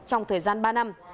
trong thời gian ba năm